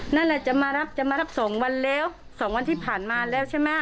นั่นแหละจะมารับจะมารับ๒วันแล้ว๒วันที่ผ่านมาแล้วใช่ไหม